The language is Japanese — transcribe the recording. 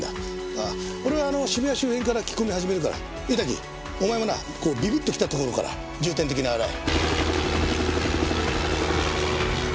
俺は渋谷周辺から聞き込みを始めるから板木お前もなこうビビッときた所から重点的に洗え。